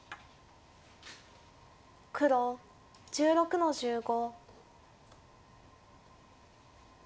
黒１６の十五。